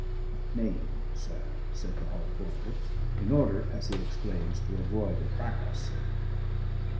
"What name, sir?" said the hall porter, in order, as he explains, "to avoid a frackass."